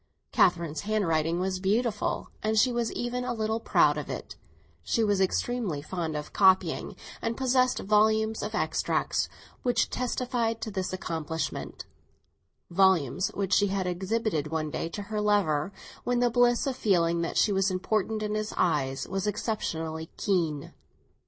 Catherine's handwriting was beautiful, and she was even a little proud of it; she was extremely fond of copying, and possessed volumes of extracts which testified to this accomplishment; volumes which she had exhibited one day to her lover, when the bliss of feeling that she was important in his eyes was exceptionally keen.